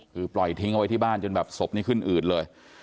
คือปล่อยทิ้งเอาไว้ที่บ้านจนแบบศพนี้ขึ้นอืดเลย